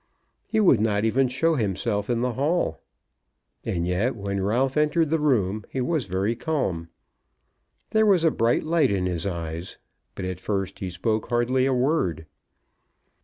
He would not even show himself in the hall. And yet when Ralph entered the room he was very calm. There was a bright light in his eyes, but at first he spoke hardly a word.